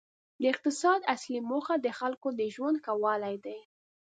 د اقتصاد اصلي موخه د خلکو د ژوند ښه والی دی.